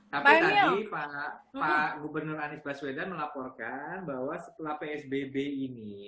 tapi tadi pak gubernur anies baswedan melaporkan bahwa setelah psbb ini